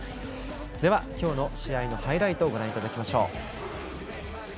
では、今日の試合のハイライトご覧いただきましょう。